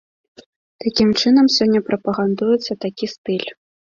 Такім чынам сёння прапагандуецца такі стыль.